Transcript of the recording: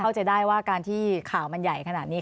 เข้าใจได้ว่าการที่ข่าวมันใหญ่ขนาดนี้